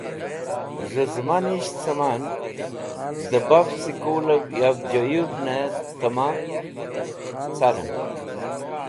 Z̃hũ zẽmanisht cẽ man dẽ baf skulẽv yav joyũvne tẽma carẽn.